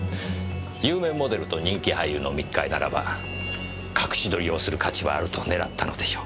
有名モデルと人気俳優の密会ならば隠し撮りをする価値はあると狙ったのでしょう。